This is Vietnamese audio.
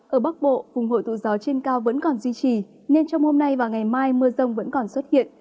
ở bắc bộ vùng hội tụ gió trên cao vẫn còn duy trì nên trong hôm nay và ngày mai mưa rông vẫn còn xuất hiện